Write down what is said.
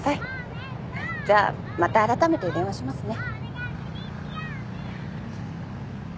じゃまたあらためて電話しますね。